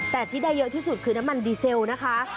แต่ที่ได้เยอะที่สุดคือน้ำมันดีเซลนะคะ